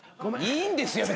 いいんですよ